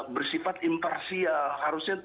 bersifat imparsial harusnya